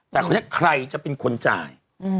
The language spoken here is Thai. แต่ใครจะเป็นคนจ่าย